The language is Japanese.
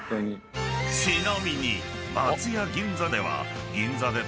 ［ちなみに］